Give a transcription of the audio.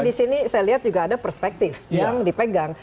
di sini saya lihat juga ada perspektif yang dipegang